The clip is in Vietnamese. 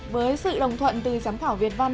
với sự đồng thuận từ giám khảo việt văn